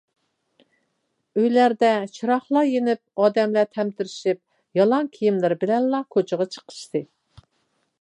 ئۆيلەردە چىراغلار يېنىپ ئادەملەر تەمتىرىشىپ يالاڭ كىيىملىرى بىلەنلا كوچىغا چىقىشتى.